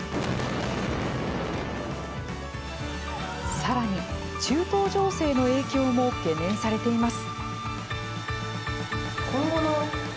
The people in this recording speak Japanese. さらに、中東情勢の影響も懸念されています。